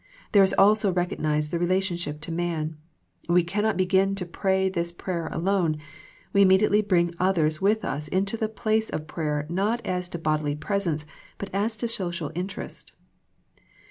There is also recognized the relationship to man. We cannot begin to pray this prayer alone ; we immediately bring othei's w'lh us into the place of prayer not as to bodily presence but as to social interest.